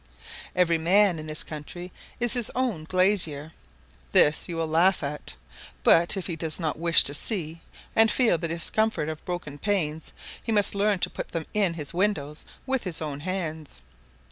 Every man in this country is his own glazier; this you will laugh at: but if he does not wish to see and feel the discomfort of broken panes, he must learn to put them in his windows with his own hands.